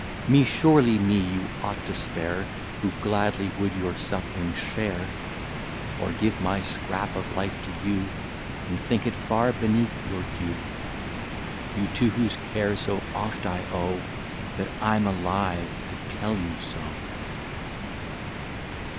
Me, surely me, you ought to spare, Who gladly would your suffering share; Or give my scrap of life to you, And think it far beneath your due; You, to whose care so oft I owe That I'm alive to tell you so.